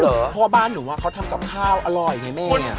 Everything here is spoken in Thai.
เพราะว่าบ้านหนูเขาทำกับข้าวอร่อยไงแม่